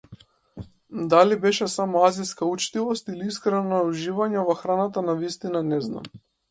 Дали беше само азиска учтивост или искрено уживање во храната навистина не знам.